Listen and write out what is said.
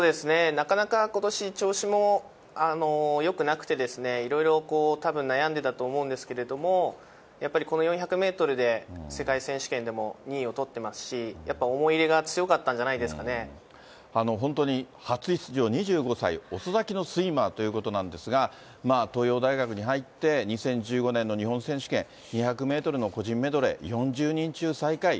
なかなか、ことし、調子もよくなくてですね、いろいろたぶん、悩んでいたと思うんですけれども、やっぱりこの４００メートルで、世界選手権でも２位をとっていますし、やっぱり思い入れが強かっ本当に初出場２５歳、遅咲きのスイマーということなんですが、東洋大学に入って、２０１５年の日本選手権、２００メートルの個人メドレー、４０人中最下位。